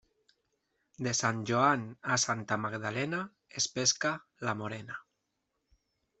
De Sant Joan a Santa Magdalena es pesca la morena.